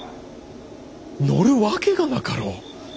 乗るわけがなかろう！